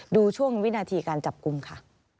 ดูช่วงวินาทีการจับกลุ่มค่ะ